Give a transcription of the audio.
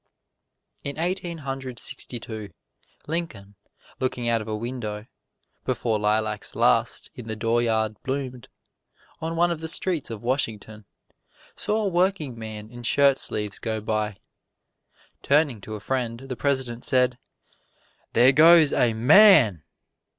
In Eighteen Hundred Sixty two, Lincoln, looking out of a window (before lilacs last in the dooryard bloomed) on one of the streets of Washington, saw a workingman in shirt sleeves go by. Turning to a friend, the President said, "There goes a MAN!"